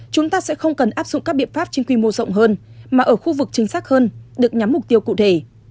chúng ta sẽ không cần áp dụng các biện pháp trên quy mô rộng hơn mà ở khu vực chính xác hơn được nhắm mục tiêu cụ thể